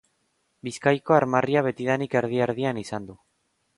Bizkaiko armarria betidanik erdi-erdian izan du.